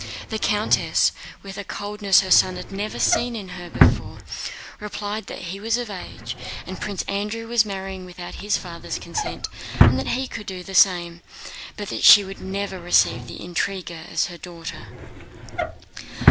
The countess, with a coldness her son had never seen in her before, replied that he was of age, that Prince Andrew was marrying without his father's consent, and he could do the same, but that she would never receive that intriguer as her daughter.